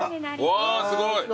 うわすごい。